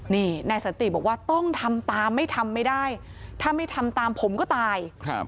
นี่นายสันติบอกว่าต้องทำตามไม่ทำไม่ได้ถ้าไม่ทำตามผมก็ตาย